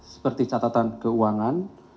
seperti catatan keuangan